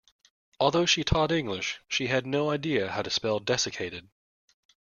Although she taught English, she had no idea how to spell desiccated.